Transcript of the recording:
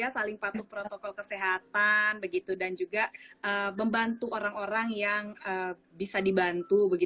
saling patuh protokol kesehatan dan juga membantu orang orang yang bisa dibantu